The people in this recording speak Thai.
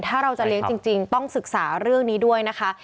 ถ้าเราจะเลี้ยงจริงต้องศึกษาเรื่องนี้ด้วยนะคะ